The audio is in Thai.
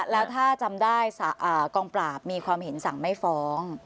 แล้วถ้าจำได้กองปราบมีความเห็นสั่งไม่ฟ้อง